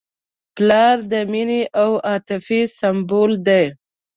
پلار د مینې او عاطفې سمبول دی.